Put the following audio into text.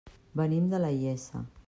Venim de la Iessa.